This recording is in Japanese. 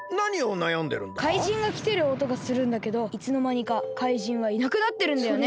怪人がきてるおとがするんだけどいつのまにか怪人はいなくなってるんだよね。